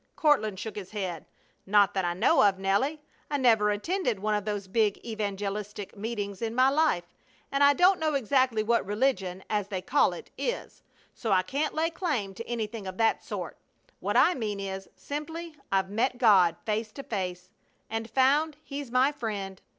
Courtland shook his head. "Not that I know of, Nelly. I never attended one of those big evangelistic meetings in my life, and I don't know exactly what 'religion,' as they call it, is, so I can't lay claim to anything of that sort. What I mean is, simply, I've met God face to face and found He's my friend.